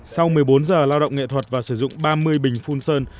sau một mươi bốn giờ lao động nghệ thuật và sử dụng ba mươi bình phun sơn